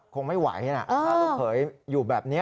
คงไม่ไหวนะถ้าลูกเขยอยู่แบบนี้